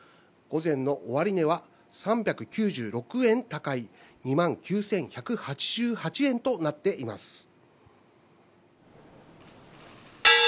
午前の終値は３９６円高い、２万９１８８円となっています。